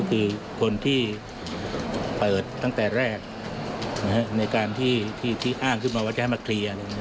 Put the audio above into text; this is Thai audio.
คือคนที่เปิดตั้งแต่แรกในการที่อ้างขึ้นมาว่าจะให้มาเคลียร์